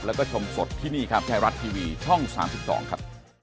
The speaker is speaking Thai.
แล้วก็ชมสดที่นี่ครับไทยรัฐทีวีช่อง๓๒ครับ